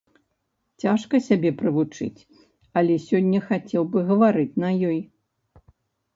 Цяжка сябе прывучыць, але сёння хацеў бы гаварыць на ёй.